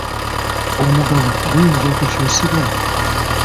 Omugabo guyinza okukyusibwa?